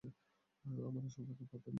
আমার আসন রাখে পেতে নিদ্রাগহন মহাশূন্য।